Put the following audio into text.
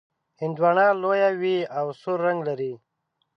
هندواڼه لویه وي او سور رنګ لري.